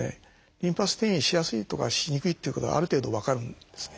リンパ節に転移しやすいとかしにくいってことがある程度分かるんですね。